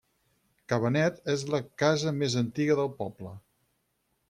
Ca Benet és la casa més antiga del poble.